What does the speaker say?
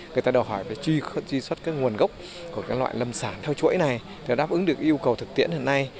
người ta đòi hỏi về truy xuất nguồn gốc của loại lâm sản theo chuỗi này để đáp ứng được yêu cầu thực tiễn hiện nay